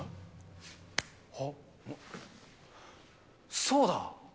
あっ、そうだ！